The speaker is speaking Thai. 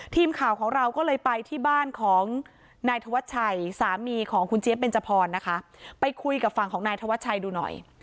ทีมข่าวของเราก็เลยไปที่บ้านของนายธวัชชัยสามีของคุณเจี๊ยเบนจพรนะคะไปคุยกับฝั่งของนายธวัชชัยดูหน่อย